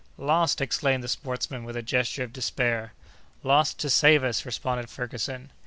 "Lost!" exclaimed the sportsman, with a gesture of despair. "Lost to save us!" responded Ferguson.